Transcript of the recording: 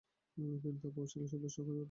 সেখানে তিনি প্রভাবশালী সদস্য হয়ে ওঠেন।